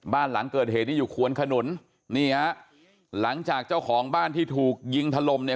บ้านหลังเกิดเหตุที่อยู่ควนขนุนนี่ฮะหลังจากเจ้าของบ้านที่ถูกยิงถล่มเนี่ย